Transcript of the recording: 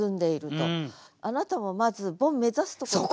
あなたもまずボン目指すところから。